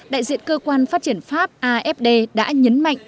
đại diện cơ quan phát triển pháp afd đã nhấn mạnh